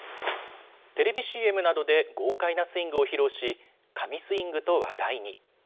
テレビＣＭなどで豪快なスイングを披露し、神スイングと話題に。